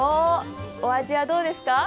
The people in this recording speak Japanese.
お味はどうですか。